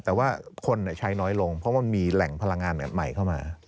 แต่ว่าคนใช้น้อยลงเพราะมันมีแหล่งพลังงานใหม่เข้ามา